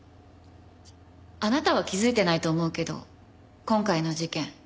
あなたは気づいてないと思うけど今回の事件